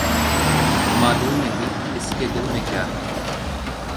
معلوم نہیں، اس کے دل میں کیاہے؟